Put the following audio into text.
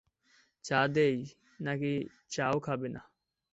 চা দিই, নাকি চা-ও খাবে না?